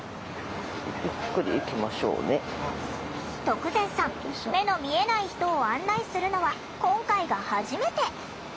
徳善さん目の見えない人を案内するのは今回が初めて。